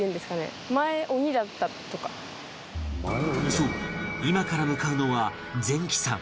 そう今から向かうのは前鬼山